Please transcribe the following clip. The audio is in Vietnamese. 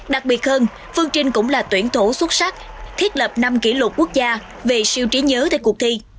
đặc biệt hơn phương trinh cũng là tuyển thủ xuất sắc thiết lập năm kỷ lục quốc gia về siêu trí nhớ tại cuộc thi